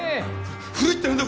古いってなんだ！